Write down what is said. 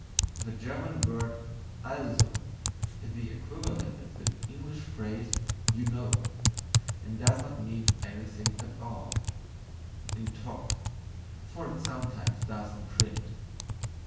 The German word ALSO is the equivalent of the English phrase "You know," and does not mean anything at all in TALK, though it sometimes does in print.